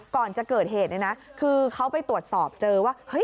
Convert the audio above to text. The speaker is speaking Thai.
ก่อนจะเกิดเหตุนะคือเขาไปตรวจสอบเจอว่า